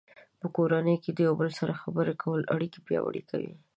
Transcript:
په کورنۍ کې د یو بل سره خبرې کول اړیکې پیاوړې کوي.